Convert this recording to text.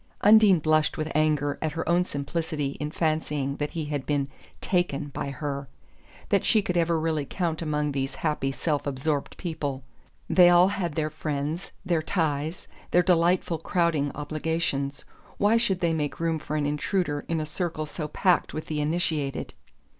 Undine blushed with anger at her own simplicity in fancying that he had been "taken" by her that she could ever really count among these happy self absorbed people! They all had their friends, their ties, their delightful crowding obligations: why should they make room for an intruder in a circle so packed with the initiated?